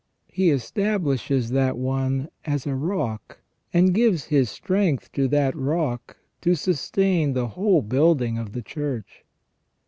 He establishes that one as a rock, and gives His strength to that rock to sustain the whole building of the Church.